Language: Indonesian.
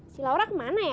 si laura kemana ya